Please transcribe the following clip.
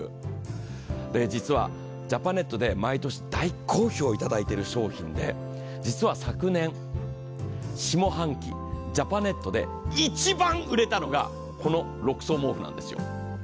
実はジャパネットで毎年、大好評をいただいている商品で実は昨年、下半期ジャパネットで一番売れたのが、この６層毛布なんですよ。